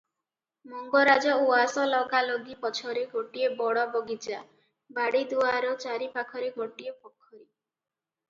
ମଙ୍ଗରାଜ ଉଆସ ଲଗାଲଗି ପଛରେ ଗୋଟିଏ ବଡ଼ ବଗିଚା, ବାଡ଼ିଦୁଆର ଚାରି ପାଖରେ ଗୋଟିଏ, ପୋଖରୀ